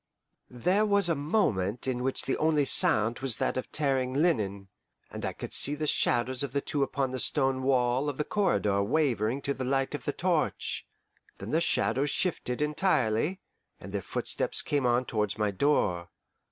There was a moment in which the only sound was that of tearing linen, and I could see the shadows of the two upon the stone wall of the corridor wavering to the light of the torch; then the shadows shifted entirely, and their footsteps came on towards my door.